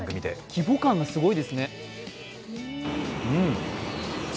規模感がすごいですね。